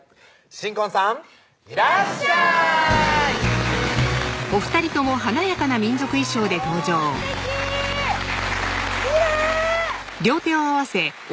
新婚さんいらっしゃいおぉすてききれい！